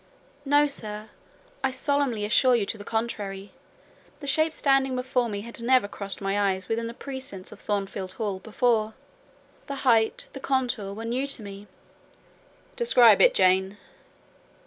"No, sir, I solemnly assure you to the contrary. The shape standing before me had never crossed my eyes within the precincts of Thornfield Hall before; the height, the contour were new to me." "Describe it, Jane."